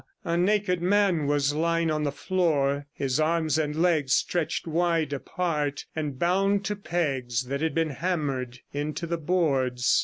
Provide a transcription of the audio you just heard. A naked man was lying on the floor, his arms and legs stretched wide apart, and bound to pegs that had been hammered into the boards.